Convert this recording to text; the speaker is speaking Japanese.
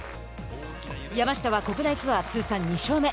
山下は国内ツアー通算２勝目。